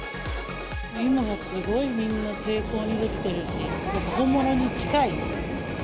今、もうすごいみんな精巧に出来てるし、本物に近い。